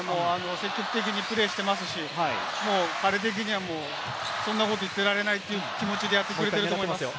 積極的にプレーしていますし、彼的にはそんなこと言ってられないっていう気持ちでやってくれていると思います。